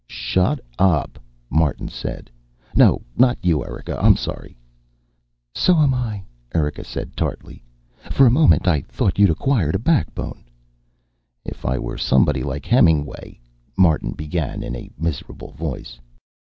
"Shut up," Martin said. "No, not you, Erika. I'm sorry." "So am I," Erika said tartly. "For a moment I thought you'd acquired a backbone." "If I were somebody like Hemingway " Martin began in a miserable voice.